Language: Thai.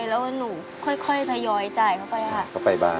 แล้วหนูค่อยทยอยจ่ายเข้าไปอะ